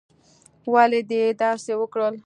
ولې دې داسې وکړل؟